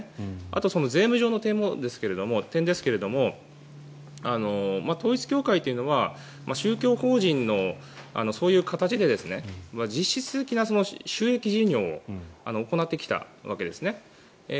あと、税務上の点ですけれども統一教会というのは宗教法人のそういう形で実質的な収益事業を行ってきたわけですね。